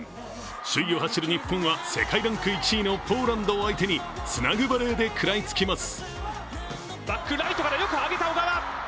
首位を走る日本は、世界ランク１位のポーランドを相手につなぐバレーで食らいつきます。